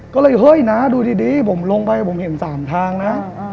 ก็เลยเฮ้ยน้าดูดีผมลงไปผมเห็น๓ทางนะ